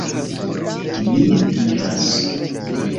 Mi diras..